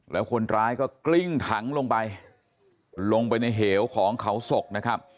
แล้วคนร้ายก็กลิ้งถังลงไปลงไปในเหวของเขาศกนะครับ